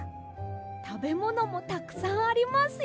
たべものもたくさんありますよ。